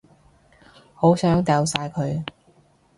好想掉晒佢